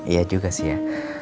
iya juga sih ya